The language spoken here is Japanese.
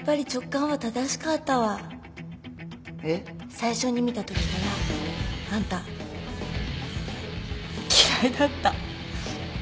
最初に見たときからあんた嫌いだった。